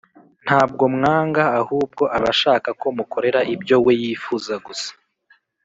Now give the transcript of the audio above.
Ntabwo mwanga ahubwo abashakako mukorera ibyo we yifuza gusa